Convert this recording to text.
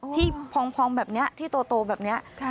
ที่พองแบบนี้ที่โตแบบนี้